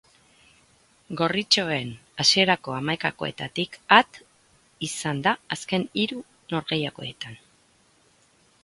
Gorritxoen hasierako hamaikakoetatik at izan da azken hiru norgehigoketan.